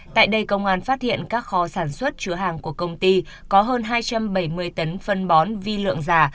tại đây công an phát hiện các kho sản xuất chứa hàng của công ty có hơn hai trăm bảy mươi tấn phân bón vi lượng giả